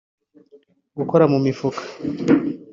gukora mu mifuka